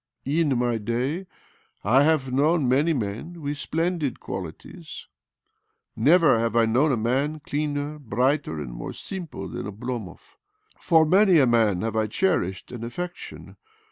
In my day I have known many men with splendid qualities. Never have I known a man cleaner, brighter, and more simple than Oblomov. For many a man have I cherished an affection.